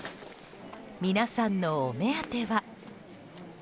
皆さんのお目当ては？